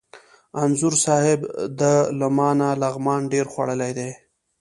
انځور صاحب! ده له ما نه لغمان ډېر خوړلی دی.